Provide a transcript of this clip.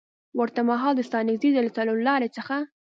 ورته مهال د ستانکزي له څلورلارې څخه